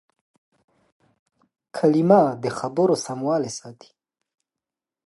کلیمه د خبرو سموالی ساتي.